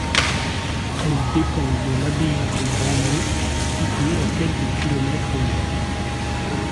Elle dépend de l'abbaye de Grandmont, située à quelques km au nord.